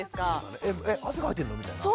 え汗かいてるの？みたいな。